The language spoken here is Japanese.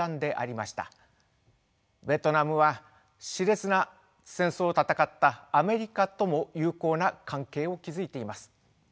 ベトナムはしれつな戦争を戦ったアメリカとも友好な関係を築いています。